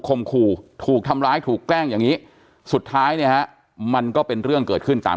มขู่ถูกทำร้ายถูกแกล้งอย่างนี้สุดท้ายเนี่ยฮะมันก็เป็นเรื่องเกิดขึ้นตาม